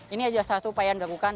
ini adalah satu upaya yang dilakukan